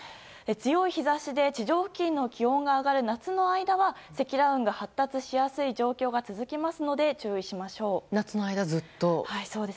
強い日差しで地上付近の気温が上がる夏の間は、積乱雲が発達しやすい状況が続きますので夏の間ずっと？